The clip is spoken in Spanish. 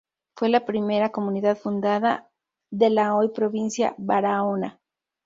Fue la primera comunidad fundada de la hoy provincia Barahona.